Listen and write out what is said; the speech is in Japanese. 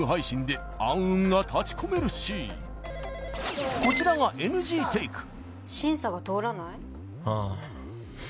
とこちらがＮＧテイクあ